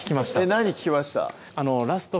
何聴きました？